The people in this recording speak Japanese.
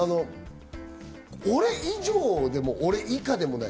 俺以上でも俺以下でもない。